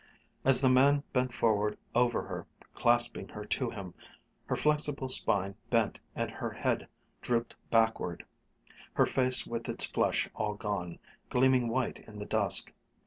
As the man bent forward over her, clasping her to him, her flexible spine bent and her head drooped backward, her face with its flush all gone, gleaming white in the dusk.